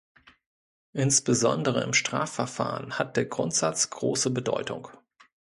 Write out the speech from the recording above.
Insbesondere im Strafverfahren hat der Grundsatz große Bedeutung.